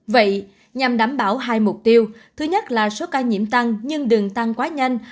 vậy nhằm đảm bảo hai mục tiêu thứ nhất là số ca nhiễm tăng nhưng đường tăng quá nhanh